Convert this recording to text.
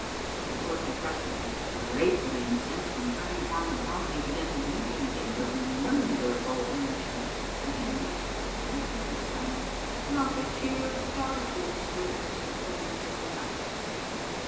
The Court De pressor was greatly incensed, and turning upon the throng he began weeping again with wonderful energy ; but I noticed that it was nothing but sound : not a tear fell to obscure the crystal clearness of his eyes.